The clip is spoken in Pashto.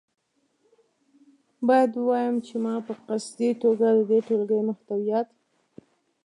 باید ووایم چې ما په قصدي توګه د دې ټولګې محتویات.